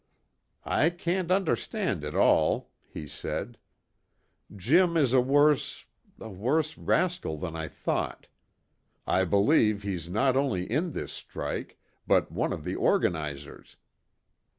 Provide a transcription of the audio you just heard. "I can't understand it all," he said. "Jim is a worse a worse rascal than I thought. I believe he's not only in this strike, but one of the organizers.